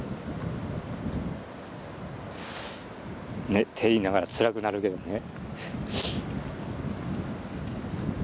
ねえって言いながらつらくなるけどね。